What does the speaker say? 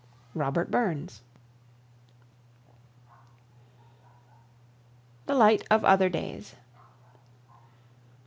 ROBERT BURNS. THE LIGHT OF OTHER DAYS.